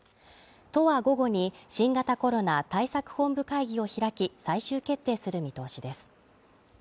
都は午後に新型コロナ対策本部会議を開き、最終決定する見通しです。